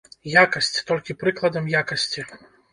Якасць, толькі прыкладам якасці.